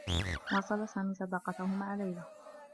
واصل سامي صداقته مع ليلى.